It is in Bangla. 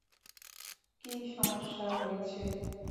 কি সমস্যা হয়েছে?